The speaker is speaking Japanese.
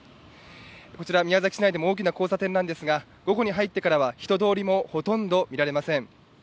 こちら宮崎市内の大きな交差点なんですが、午後に入ってからは人通りもほとんど見られません。